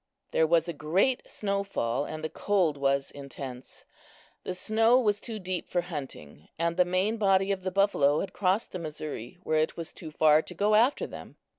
There was a great snow fall, and the cold was intense. The snow was too deep for hunting, and the main body of the buffalo had crossed the Missouri, where it was too far to go after them.